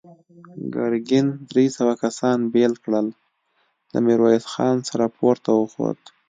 ګرګين درې سوه کسان بېل کړل، له ميرويس خان سره پورته وخوت.